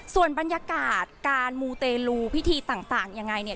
ส่วนบรรยากาศการมูเตลูพิธีต่างยังไงเนี่ย